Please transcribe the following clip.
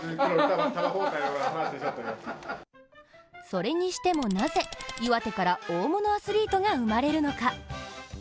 それにしても、なぜ岩手から、大物アスリートが生まれるのか。